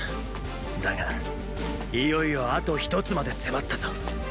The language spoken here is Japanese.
だがいよいよあと一つまで迫ったぞ。